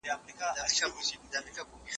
د خیانت کول د منافق نښه ده.